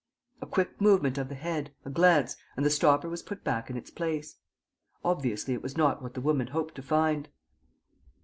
A quick movement of the head, a glance, and the stopper was put back in its place. Obviously, it was not what the woman hoped to find.